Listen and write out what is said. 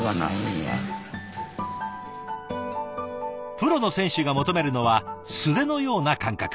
プロの選手が求めるのは素手のような感覚。